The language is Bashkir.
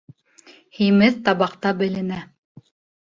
Һимеҙ табаҡта беленә.